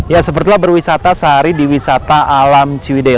ya sepertilah berwisata sehari di wisata alam ciwidei